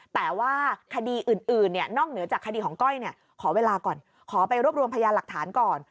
แต่ว่าคดีอื่นนอกเหนือจากคดีของก้อยขอเวลาก่อนขอไปรวบรวมพยานหลักฐานก่อน